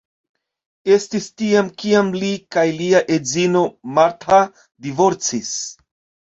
Estis tiam kiam li kaj lia edzino Martha divorcis.